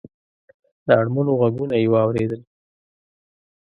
د اړمنو غږونه یې واورېدل.